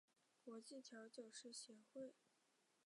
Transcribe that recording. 国际调酒师协会